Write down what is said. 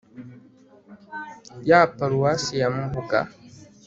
ya paruwasi ya mubuga